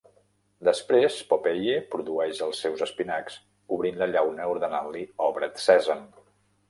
Després, Popeye produeix els seus espinacs, obrint la llauna ordenant-li "Obre't Sèsam!"